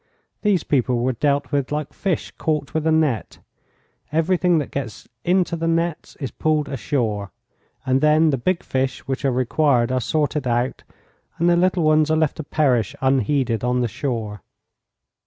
These people were dealt with like fish caught with a net; everything that gets into the nets is pulled ashore, and then the big fish which are required are sorted out and the little ones are left to perish unheeded on the shore.